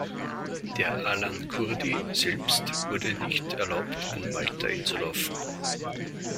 Der "Alan Kurdi" selbst wurde nicht erlaubt in Malta einzulaufen.